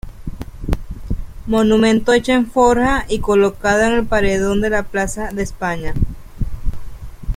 Monumento hecho en forja y colocado en el paredón de la Plaza de España.